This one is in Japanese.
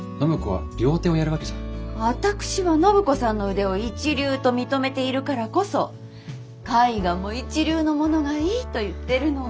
私は暢子さんの腕を一流と認めているからこそ絵画も一流のものがいいと言ってるの。